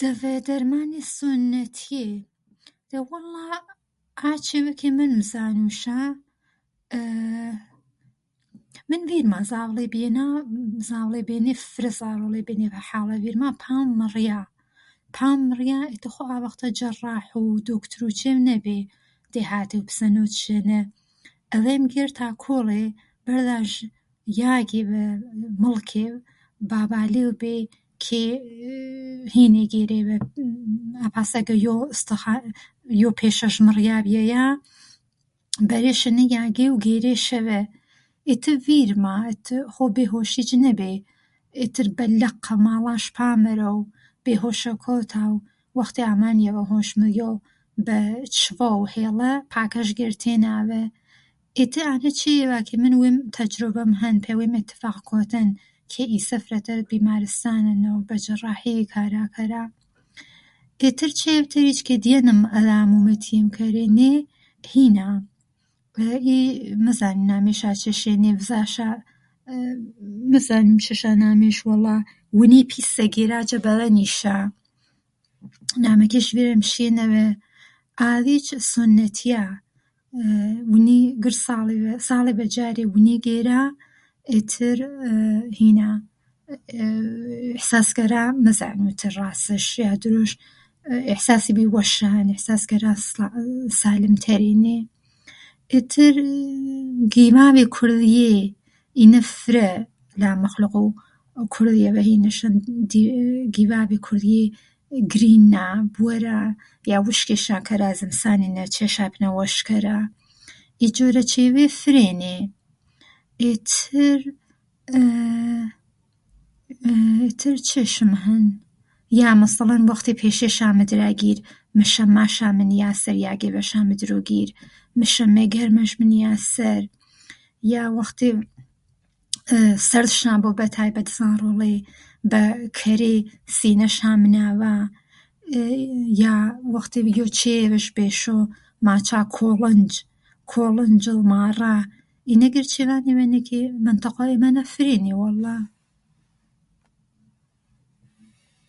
دەڤەی دەرمانێ سونەتتیێ، دەی وەڵا ئا چێڤێ کە من مزانووشا من ڤیرما زاڤڵێ بیێنا زاڤڵی بێنێ فرە زاڤڵی بێنێ ڤیرما پام مڕیا، پام مڕیا، خۆ ئاڤختە جەڕاح و چێڤ نەبێ یگێڤە پسە نۆتشەینە. ئەذێم گێرتا کۆڵێ بەرذاش یاگێڤە مڵکێڤ بابالێڤ بێ کە هینێ گێرێڤە پاسە کە یۆ ئۆستۆخان یۆ پێشەش مڕیا بیەیا بەرێشەنە یاگێو گێرێشەڤە ئێتر ڤیرما ئێتر خۆ بێ هۆشیش نەبێ. ئێتر بە لەقە ماڵاش پامەرە بێهۆشە کۆتا و وەختێڤ ئامانێڤە هۆش مذیۆ بە چڤەڤ هێڵە پاکەش گێرتێناڤە. ئێتر ئانە چێڤیڤا کە من وێم تەجروبەم هەن پەی وێم ئێتێفاق کۆتەن. کە ئیسە ئیتر بیمارستانەنە و بە جەراحی ئی کارا کەرا. ئێتر چێڤێڤ تەریچ کە دیەنم ئەذام و موتیەم کەرێنێ هیان ئی مەزانوو نامیشا چیشا مەزانوو نامیشا چێشا وەلا ونێ پیسە گێرا جە بەذەنیشا. نامەکێش ڤیرم شیێنەڤە ئاذیچ سونەتیا. وونی گرذ ساڵێڤە، ساڵێڤە جارێڤ وونی گێرا، ئێتر هینا ئێحساس کەرا، ئێتر مەزانوو وەلا راسەش یا درۆش ئێحساس کەرا ئێحساسێڤی وەششا هەن ئێحساس کەرا سالم تەرێنێ. ئێتر گیڤاڤێ کوردیێ، ئینە فرە لا مەخلۆقوو کورذیەڤە هینش هەن کە گیڤاڤێ کوردیێ گرینا بوەرا. یا وشکیشا کەرا زمسانێنە چێشا پنە وەش کەرا. ئی جۆرە چێڤی فرێنێ. ئیتر چێشم هەن؟ یا وەختێڤ پیشێشا مدرا گیر موشەماشا منیا سەر یاگێڤەشا مدرۆ گیر مشەمای گەرمەش منیا سەر. یا وەختێڤ سەرذشا بۆ بەتایبەت زاڤڵێ سینەشا مناڤنا. یا وەختێڤ یۆ چێڤێڤش میشۆ ماچا کۆڵنج کۆڵنجذ مارا. ئینە گرذ چێڤانێڤەنێ کە مەنتەقەو ئێمەنە فرێنێ وەڵا